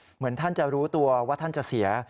เหมือนท่านจะรู้ตัวว่าท่านจะเสีย